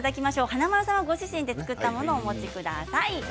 華丸さんはご自身で作ったものをお持ちください。